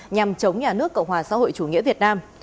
nhằm chống nhà nước cộng hòa xã hội chủ nghĩa việt nam